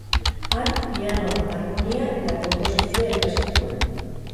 Han pianoa, harmonia eta konposizioa ikasi zuen.